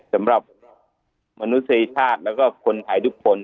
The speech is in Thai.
สำหรับมนุษยชาติแล้วก็คนไทยทุกคน